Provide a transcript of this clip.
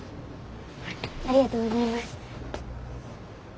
ありがとうございます。